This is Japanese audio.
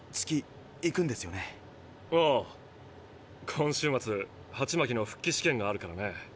今週末ハチマキの復帰試験があるからね。